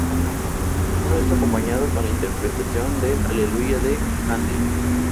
Todo esto acompañado con la interpretación del Aleluya de Händel.